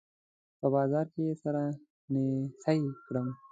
په بازار کې يې سره نيڅۍ کړم